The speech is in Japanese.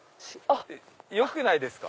よくないですか？